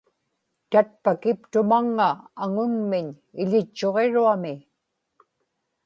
tatpakiptumaŋŋa aŋunmiñ iḷitchuġiruami